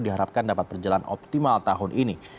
diharapkan dapat berjalan optimal tahun ini